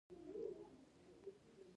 زه نوم ډیوه دی